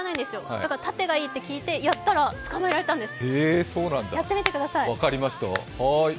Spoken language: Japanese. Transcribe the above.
だから縦がいいって聞いてやったら捕まえられたんです、分かりました。